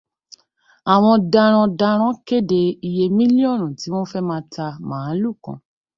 Àwọn darandaran kéde iye mílíọ̀nù tí wọ́n fẹ́ máa ta màálù kan